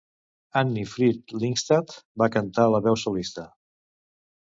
Anni-Frid Lyngstad va cantar la veu solista.